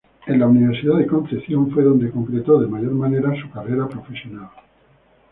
En la Universidad de Concepción fue donde concretó de mayor manera su carrera profesional.